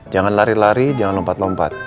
jangan lari lari jangan lompat lompat